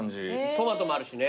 トマトもあるしね。